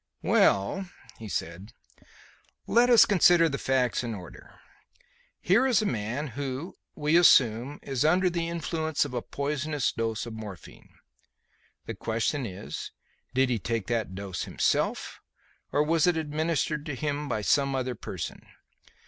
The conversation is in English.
"Well," he said, "let us consider the facts in order. Here is a man who, we assume, is under the influence of a poisonous dose of morphine. The question is, did he take that dose himself or was it administered to him by some other person?